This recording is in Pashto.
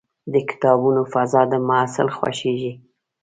د کتابتون فضا د محصل خوښېږي.